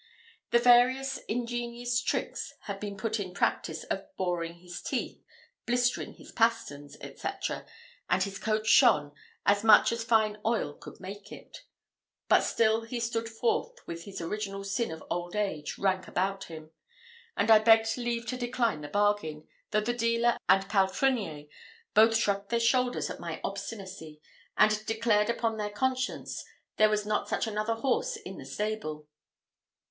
The various ingenious tricks had been put in practice of boring his teeth, blistering his pasterns, &c., and his coat shone, as much as fine oil could make it; but still he stood forth with his original sin of old age rank about him, and I begged leave to decline the bargain, though the dealer and the palfrenier both shrugged their shoulders at my obstinacy, and declared upon their conscience there was not such another horse in the stable.